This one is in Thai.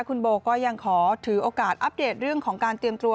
คุณโบก็ยังขอถือโอกาสอัปเดตเรื่องของการเตรียมตัว